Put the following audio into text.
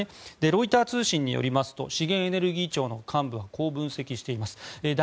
ロイター通信によりますと資源エネルギー庁の幹部はこう指摘しています。